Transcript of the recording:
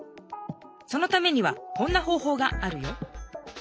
そのためにはこんな方ほうがあるよ。